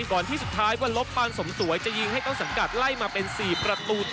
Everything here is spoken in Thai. ก่อนที่สุดท้ายวันลบปานสมสวยจะยิงให้ต้นสังกัดไล่มาเป็น๔ประตูต่อ